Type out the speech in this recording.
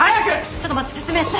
ちょっと待って説明して。